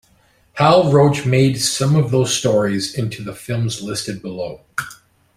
Hal Roach made some of those stories into the films listed below.